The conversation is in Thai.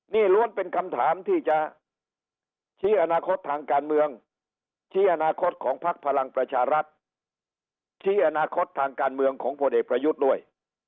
นี่ล้วนเป็นคำถามที่จะชี้อนาคตทางการเมืองชี้อนาคตของพักพลังประชารัฐชี้อนาคตทางการเมืองของพลเอกประยุทธ์ด้วย